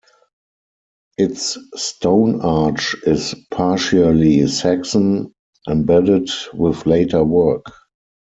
Its stone arch is partially Saxon, embedded with later work.